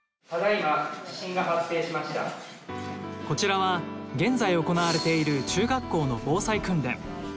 こちらは現在行われている中学校の防災訓練。